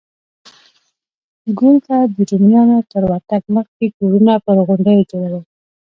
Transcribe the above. ګول ته د رومیانو تر ورتګ مخکې کورونه پر غونډیو جوړول